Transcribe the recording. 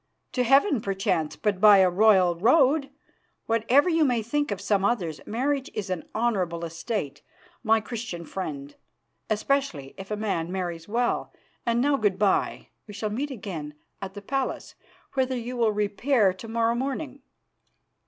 To heaven, perchance, but by a royal road. Whatever you may think of some others, marriage is an honourable estate, my Christian friend, especially if a man marries well. And now good bye; we shall meet again at the palace, whither you will repair to morrow morning.